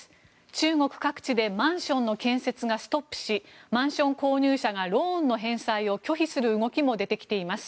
中国各地でマンションの建設がストップしマンション購入者がローンの返済を拒否する動きも出てきています。